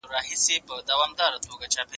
توا خر دی و .